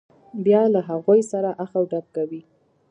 بیا له هغوی سره اخ و ډب کوي.